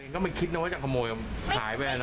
ก็ไม่คิดนะว่าจะขโมยหายไปนะ